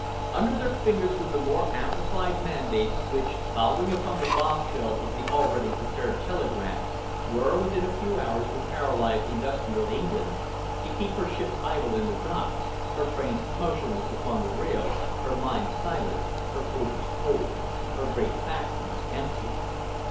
Under their fingers grew the more amplified mandates which, following upon the bombshell of the already prepared telegrams, were within a few hours to paralyse industrial England, to keep her ships idle in the docks, her trains motionless upon the rails, her mines silent, her forges cold, her great factories empty.